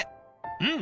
うん！